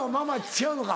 違うのか？